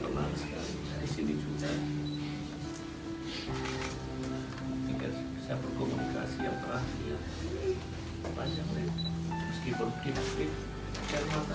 saya berkomunikasi yang terakhir